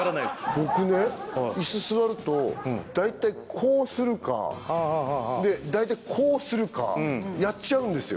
僕ねイス座ると大体こうするか大体こうするかやっちゃうんですよ